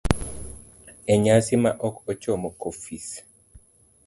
e nyasi ma ok ochomo ka ofis,